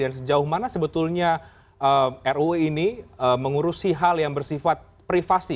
dan sejauh mana sebetulnya ruu ini mengurusi hal yang bersifat privasi